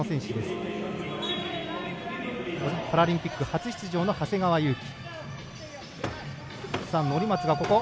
パラリンピック初出場の長谷川勇基。